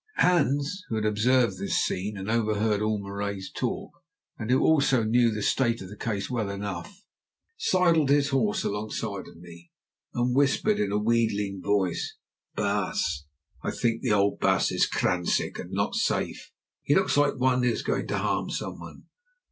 Hans, who had observed this scene and overheard all Marais's talk, and who also knew the state of the case well enough, sidled his horse alongside of me, and whispered in a wheedling voice: "Baas, I think the old baas is kransick and not safe. He looks like one who is going to harm someone.